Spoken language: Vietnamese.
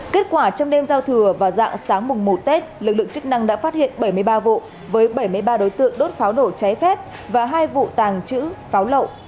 kết quả trong đêm giao thừa và dạng sáng mùng một tết lực lượng chức năng đã phát hiện bảy mươi ba vụ với bảy mươi ba đối tượng đốt pháo nổ cháy phép và hai vụ tàng trữ pháo lậu